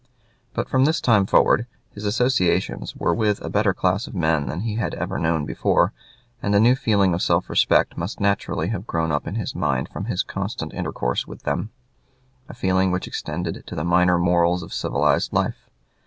But from this time forward his associations were with a better class of men than he had ever known before, and a new feeling of self respect must naturally have grown up in his mind from his constant intercourse with them a feeling which extended to the minor morals of civilized life.